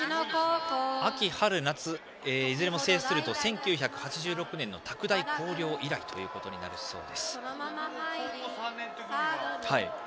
秋、春、夏いずれも制すると１９８６年の拓大紅陵以来となるそうです。